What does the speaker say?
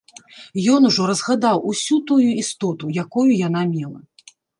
Ён ужо разгадаў усю тую істоту, якую яна мела.